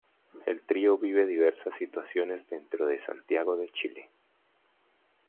El trío vive diversas situaciones dentro de Santiago de Chile.